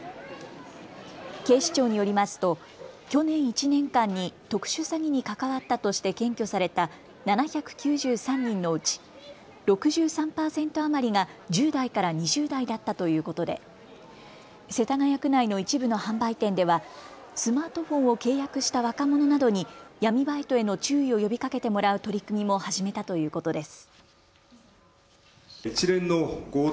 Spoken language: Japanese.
警視庁によりますと去年１年間に特殊詐欺に関わったとして検挙された７９３人のうち、６３％余りが１０代から２０代だったということで世田谷区内の一部の販売店ではスマートフォンを契約した若者などに闇バイトへの注意を呼びかけてもらう取り組みも始めたということです。